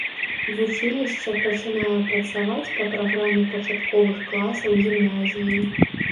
Вучылішча пачынае працаваць па праграме пачатковых класаў гімназіі.